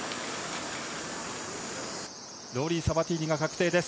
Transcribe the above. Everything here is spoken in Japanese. ローリー・サバティーニが確定です。